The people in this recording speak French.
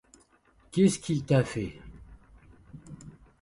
Qu’est-ce qu’il t’a fait ?